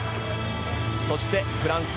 そして、フランス。